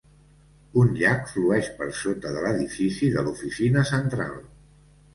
Un llac flueix per sota de l'edifici de l'oficina central.